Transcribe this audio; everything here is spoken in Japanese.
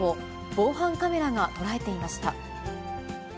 防犯カメラが捉えていました。